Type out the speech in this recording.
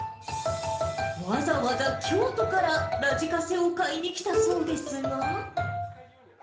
わざわざ京都からラジカセを買いに来たそうですが。